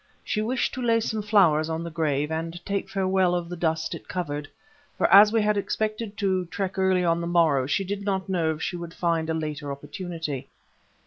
She wished to lay some flowers on the grave and take farewell of the dust it covered, for as we had expected to trek early on the morrow she did not know if she would find a later opportunity.